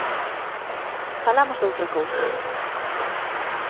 Falamos doutra cousa.